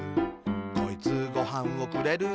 「こいつ、ごはんをくれる」